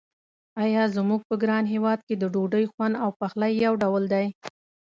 آیا زموږ په ګران هېواد کې د ډوډۍ خوند او پخلی یو ډول دی.